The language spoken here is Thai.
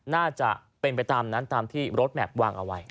น่าจะเป็นไปตามนั้นตามที่รถแมพวางเอาไว้